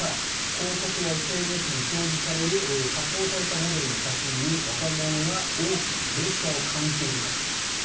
広告やＳＮＳに表示される加工されたモデルの写真に若者が大きなプレッシャーを感じているからだと。